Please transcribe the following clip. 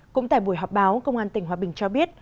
cũng tại buổi họp báo công an tỉnh hòa bình cho biết